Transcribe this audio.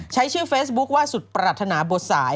ใช้ชื่อเฟซบุ๊คว่าสุดปรัฐนาบัวสาย